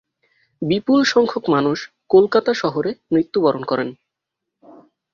বিপুল সংখ্যক মানুষ কলকাতা শহরে মৃত্যুবরণ করে।